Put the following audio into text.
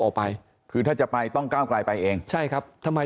ออกไปคือถ้าจะไปต้องก้าวกลายไปเองใช่ครับทำไม